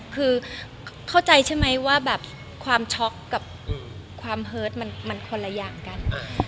คือเข้าใจใช่ไหมว่าแบบความช็อกกับความเฮิร์ตมันคนละอย่างกัน